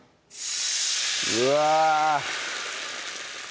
うわ